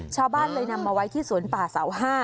ชาวบ้านเลยนำมาไว้ที่สวนป่าเสา๕